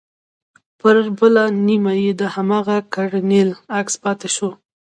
پر بله نيمه يې د هماغه کرنيل عکس پاته سو.